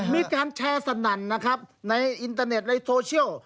มีการแชร์สนั่นนะครับในอินเตอร์เน็ตในโซเชียล